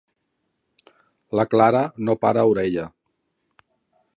La Clara no para orella.